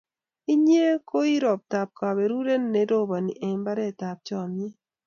Inye ko iu roptap kaperuret ne roponi eng' mbaret ap chomyet.